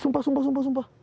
sumpah sumpah sumpah sumpah